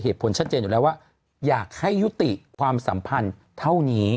เหตุผลชัดเจนอยู่แล้วว่าอยากให้ยุติความสัมพันธ์เท่านี้